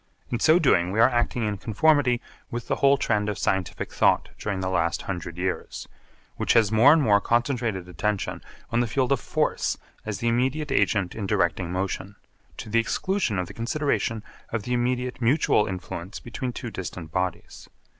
In so doing we are acting in conformity with the whole trend of scientific thought during the last hundred years, which has more and more concentrated attention on the field of force as the immediate agent in directing motion, to the exclusion of the consideration of the immediate mutual influence between two distant bodies.